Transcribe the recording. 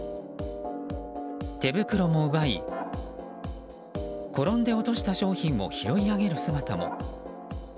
手袋も奪い転んで落とした商品を拾い上げる姿も。